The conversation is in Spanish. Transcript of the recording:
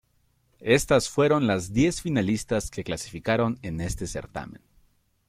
Estas fueron las diez finalistas que clasificaron en este certamen.